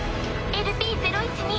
ＬＰ０１２